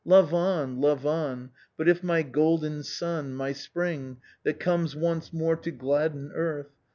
"'Love on, love on ! but if my golden sun. My spring, that comes once more to gladden earth.